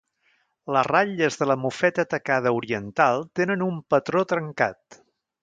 Les ratlles de la mofeta tacada oriental tenen un patró trencat.